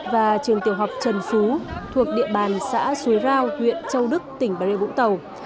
và trường tiểu học trần phú thuộc địa bàn xã suối rao huyện châu đức tỉnh bà rêu vũng tàu